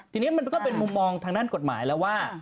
ทีนี้มันก็เป็นมุมมองทางด้านกฎหมายแล้วว่า